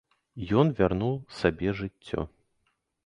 Ён вярнуў сабе жыццё.